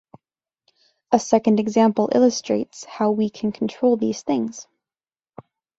A second example illustrates how we can control these things.